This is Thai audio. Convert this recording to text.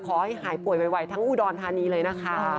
ขอให้หายป่วยไวทั้งอุดรธานีเลยนะคะ